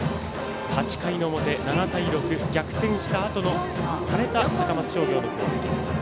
８回の表、７対６逆転された高松商業の攻撃です。